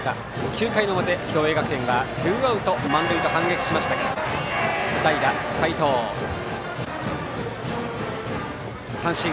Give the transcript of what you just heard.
９回の表、共栄学園はツーアウト満塁と反撃しましたが代打・齊藤、三振。